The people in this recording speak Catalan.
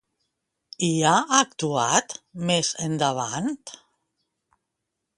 Hi ha actuat, més endavant?